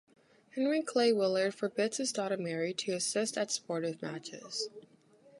Henry Clay Willard forbids his daughter Mary to assist at sportive matches.